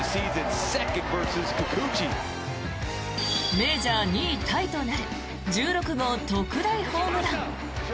メジャー２位タイとなる１６号特大ホームラン。